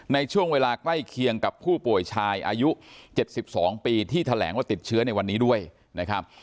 ในช่วงเวลาใกล้เคียงกับผู้ป่วยชายอายุ๗๒ปีที่แถลงว่าติดเชื้อในวันนี้ด้วยนะครับ